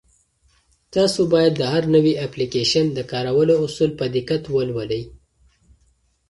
تاسو باید د هر نوي اپلیکیشن د کارولو اصول په دقت ولولئ.